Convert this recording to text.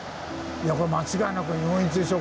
いやこれ間違いなく日本一でしょ